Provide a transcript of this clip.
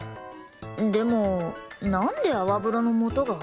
でもなんで泡風呂のもとが？